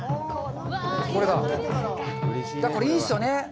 これ、いいですよね。